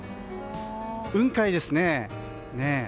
雲海ですね。